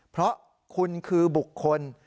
เพราะคุณคือบุคคล